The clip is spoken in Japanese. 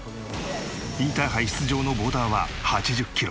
インターハイ出場のボーダーは８０キロ。